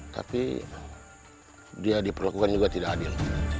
tapi dia diperlakukan juga tidak adil